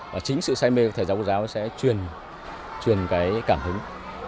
và chính sự say mê của thầy giáo cụ giáo sẽ truyền cái cảm hứng